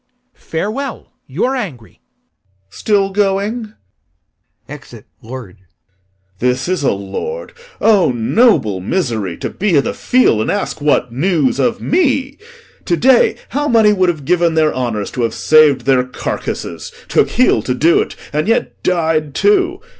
LORD. Farewell; you're angry. Exit POSTHUMUS. Still going? This is a lord! O noble misery, To be i' th' field and ask 'What news?' of me! To day how many would have given their honours To have sav'd their carcasses! took heel to do't, And yet died too!